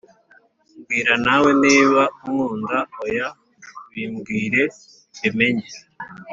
mbwira nawe niba unkunda oya bimbwire mbimenye